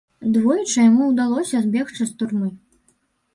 Двойчы яму ўдалося бегчы з турмы.